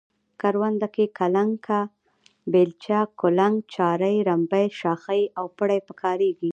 کرونده کې کلنگه، بیلچه، کولنگ، چارۍ، رنبی، شاخۍ او پړی په کاریږي.